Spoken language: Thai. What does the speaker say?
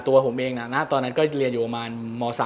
ตัวผมเองนะตอนนั้นก็เรียนอยู่ประมาณม๓